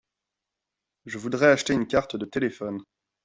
Je voudais acheter une carte de téléphone.